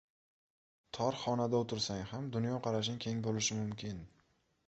Tor xonada o‘tirsang ham dunyoqarashing keng bo‘lishi mumkin.